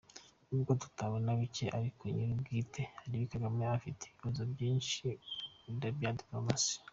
N’ubwo tubona bike ariko nyiri bwite ariwe Kagame afite ibibazo byinshi bya diplomasi.